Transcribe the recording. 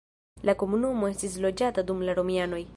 La komunumo estis loĝata dum la romianoj.